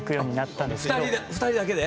２人だけで？